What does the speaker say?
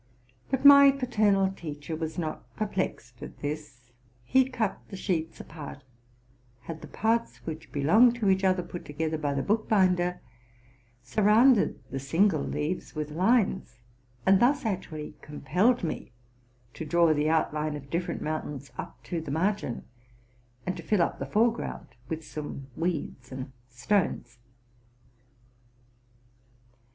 But my paternal teacher was not perplexed at this: he cut the sheets apart; had the parts which belonged to each other put together by the bookbinder ; surrounded the single leaves with lines; and thus actually compelled me to draw the outline of different mountains up to the margin, and to fill up the foreground with some weeds aud stones.